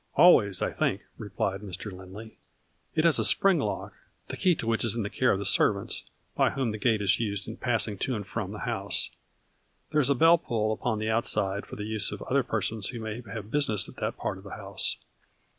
" Always, I think," replied Mr. Lindley. " It has a spring lock, the key to which is in the care of the servants, by whom the gate is used in passing to and from the house. There is a bell pull upon the outside for the use of other persons who may have business at that part of the house.